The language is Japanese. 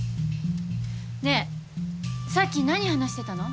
ねえさっき何話してたの？